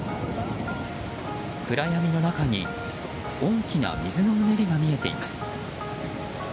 暗闇の中に大きな水のうねりが見えています。